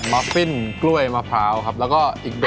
มัฟฟินกล้วยมะพร้าวครับแล้วก็อีกเดียวกี่ซอส